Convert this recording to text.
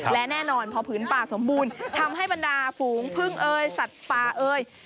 และแน่นอนพอผืนป่าสมบูรณ์ทำให้บรรดาฝูงพึ่งเอยสัตว์ป่าเอ่ย